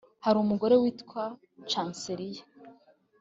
hari umugore witwa chancellia,